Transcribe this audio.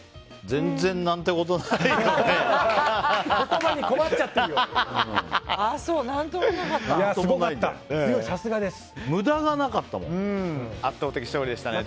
全然、何てことないよね。